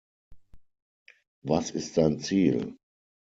Was ist sein Ziel?